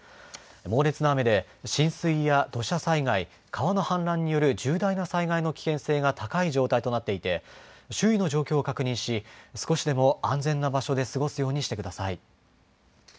猛烈な雨で浸水や土砂災害川の氾濫による重大な災害の危険性が高い状況となっていて周囲の状況を確認し少しでも安全な場所で過ごすようにしてください。